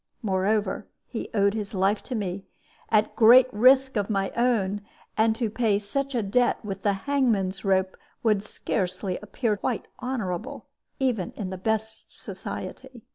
Moreover, he owed his life to me, at great risk of my own; and to pay such a debt with the hangman's rope would scarcely appear quite honorable, even in the best society.